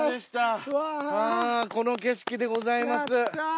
はぁこの景色でございます。